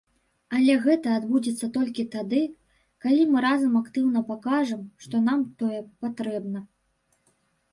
Але гэта адбудзецца толькі тады, калі мы разам актыўна пакажам, што нам тое патрэбна.